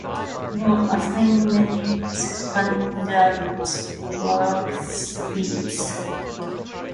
All assignments, handouts, work sheets, what-have-you would be distributed electronically.